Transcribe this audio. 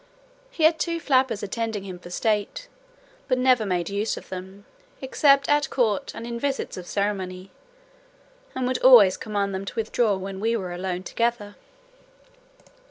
He had two flappers attending him for state, but never made use of them, except at court and in visits of ceremony, and would always command them to withdraw, when we were alone together.